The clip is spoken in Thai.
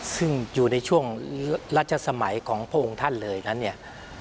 ซึ่งอยู่ในช่วงรัชสมัยของพวกองค์ท่านเลย